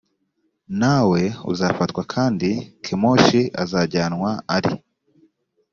nawe uzafatwa kandi kemoshi azajyanwa ari